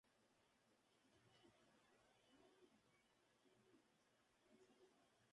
Todos estos grupos utilizan diesel oil como combustible.